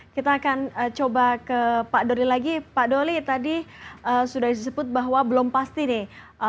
kita akan coba ke pak doli lagi pak doli tadi sudah disebut bahwa belum pasti nih